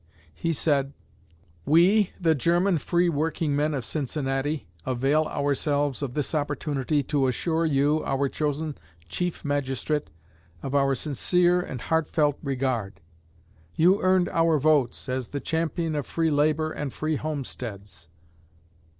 He said: We, the German free workingmen of Cincinnati, avail ourselves of this opportunity to assure you, our chosen Chief Magistrate, of our sincere and heartfelt regard. You earned our votes as the champion of Free Labor and Free Homesteads.